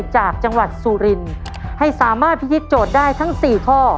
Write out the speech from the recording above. จากจังหวัดสุรินให้สามารถพิธีโจทย์ได้ทั้ง๔ข้อ